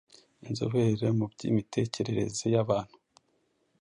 Inzobere mu by’imitekerereze y’abantu,